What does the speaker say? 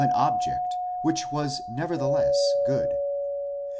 609 object, which was nevertheless good.